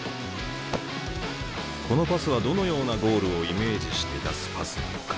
このパスはどのようなゴールをイメージして出すパスなのか